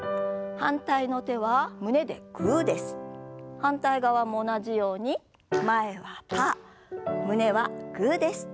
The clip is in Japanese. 反対側も同じように前はパー胸はグーです。